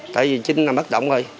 tại vì chính là bất động rồi